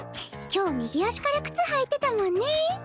今日右足から靴履いてたもんねぇ。